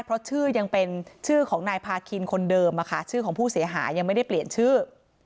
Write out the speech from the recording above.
เพราะชื่อยังเป็นชื่อของนายพาคินคนเดิมชื่อของผู้เสียหายยังไม่ได้เปลี่ยนชื่อ